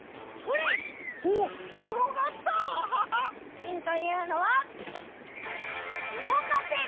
しんというのは「うごかせる」！